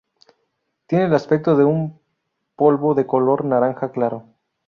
Tiene el aspecto de un polvo de color naranja claro.